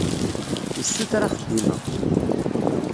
Yessuter axeddim-a.